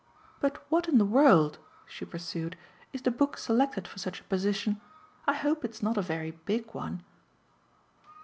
"But what in the world," she pursued, "is the book selected for such a position? I hope it's not a very big one."